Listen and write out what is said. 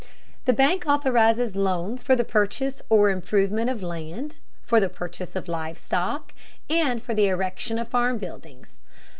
The Bank authorizes loans for the purchase or improvement of land, for the purchase of live stock, and for the erection of farm buildings.